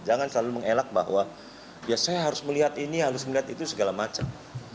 jangan selalu mengelak bahwa ya saya harus melihat ini harus melihat itu segala macam